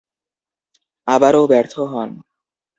আবারও ব্যর্থ হন।